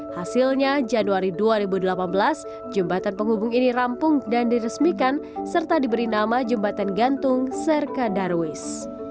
hasilnya januari dua ribu delapan belas jembatan penghubung ini rampung dan diresmikan serta diberi nama jembatan gantung serka darwis